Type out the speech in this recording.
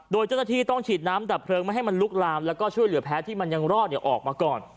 โดยเจ้าหน้าที่ต้องฉีดน้ำดับเพลิงไม่ให้มันลุกลามแล้วก็ช่วยเหลือแพ้ที่มันยังรอดออกมาก่อน